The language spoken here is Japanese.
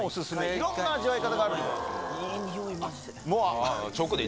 いろんな味わい方があるんで。